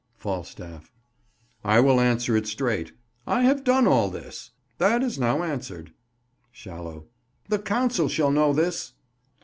Falstaff. I will answer it straight.—I have done all this.—That is now answered. Shallow. The Council shall know this.